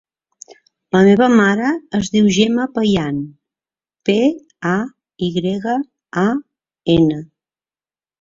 La meva mare es diu Gemma Payan: pe, a, i grega, a, ena.